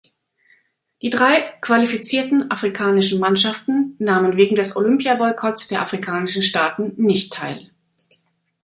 Die drei qualifizierten afrikanischen Mannschaften nahmen wegen des Olympiaboykotts der afrikanischen Staaten nicht teil.